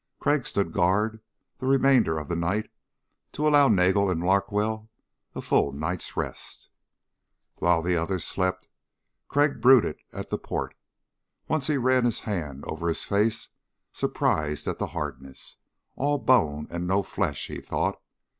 Crag stood guard the remainder of the night to allow Nagel and Larkwell a full night's rest. While the others slept, Crag brooded at the port. Once he ran his hand over his face, surprised at the hardness. All bone and no flesh, he thought.